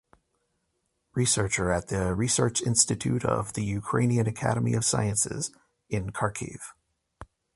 Researcher at the Research Institute of the Ukrainian Academy of Sciences in Kharkiv.